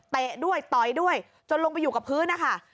ด้วยต่อยด้วยจนลงไปอยู่กับพื้นนะคะ